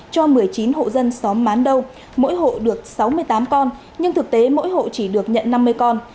cho một mươi chín hộ dân xóm mán đâu mỗi hộ được sáu mươi tám con nhưng thực tế mỗi hộ chỉ được nhận năm mươi con